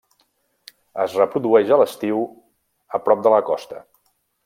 Es reprodueix a l'estiu a prop de la costa.